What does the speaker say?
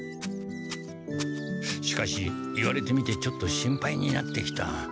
しかし言われてみてちょっと心配になってきた。